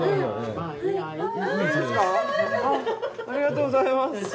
ありがとうございます！